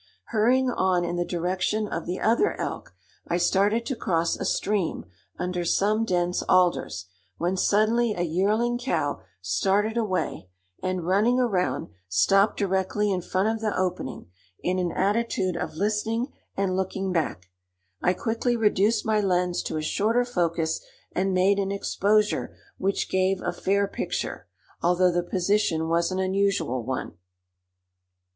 Hurrying on in the direction of the other elk, I started to cross a stream under some dense alders, when suddenly a yearling cow started away and, running around, stopped directly in front of the opening, in an attitude of listening and looking back. I quickly reduced my lens to a shorter focus and made an exposure which gave a fair picture, although the position was an unusual one.